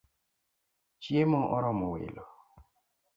Chiemo oromo welo